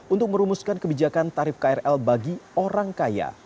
untuk merumuskan kebijakan tarif krl bagi orang kaya